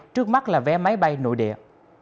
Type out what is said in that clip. trước mắt là vé máy bay nội địa